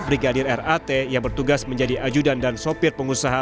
brigadir r a t yang bertugas menjadi ajudan dan sopir pengusaha